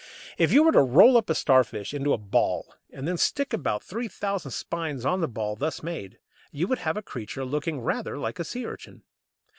If you were to roll up a Starfish into a ball, and then stick about three thousand spines on the ball thus made, you would have a creature looking rather like a Sea urchin.